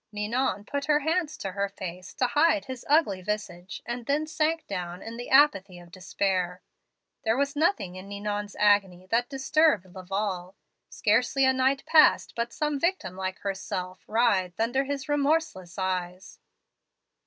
"Ninon put her hands to her face, to hide his ugly visage, and then sank down in the apathy of despair. "There was nothing in Ninon's agony that disturbed Laval. Scarcely a night passed but some victim like herself writhed under his remorseless eyes.